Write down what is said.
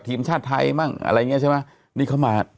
ทีมชาติไทยมั่งอะไรอย่างเงี้ใช่ไหมนี่เขามา